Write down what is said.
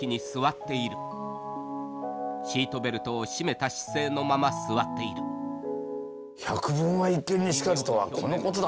シートベルトを締めた姿勢のまま座っている「百聞は一見にしかず」とはこのことだな。